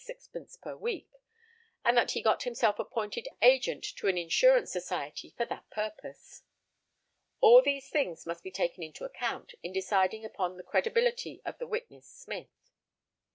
per week, and that he got himself appointed agent to an insurance society for that purpose. All these things must be taken into account in deciding upon the credibility of the witness Smith.